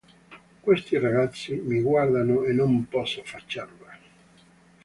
Questi ragazzi mi guardano e non posso farcela.